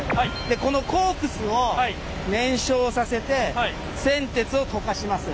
でこのコークスを燃焼させて銑鉄を溶かします。